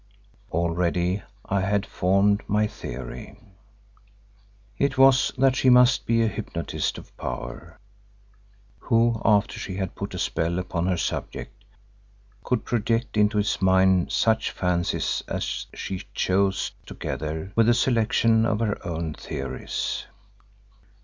Already I had formed my theory. It was that she must be a hypnotist of power, who, after she had put a spell upon her subject, could project into his mind such fancies as she chose together with a selection of her own theories.